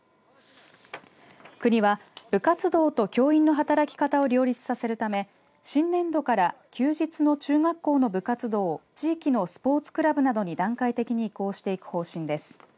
国は部活動と教員の働き方を両立させるため新年度から休日の中学校の部活動を地域のスポーツクラブなどに段階的に移行していく方針です。